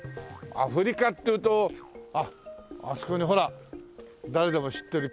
アフリカっていうとあっあそこにほら誰でも知ってるキリン。